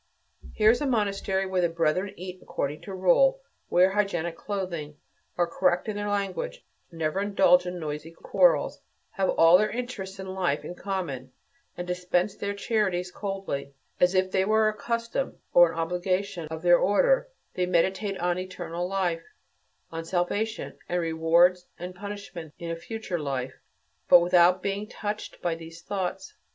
Here is a monastery where the brethren eat according to rule, wear hygienic clothing, are correct in their language, never indulge in noisy quarrels, have all their interests in life in common, and dispense their charities coldly, as if they were a custom or an obligation of their order; they meditate on eternal life, on salvation, and rewards and punishments in a future life, but without being touched by these thoughts.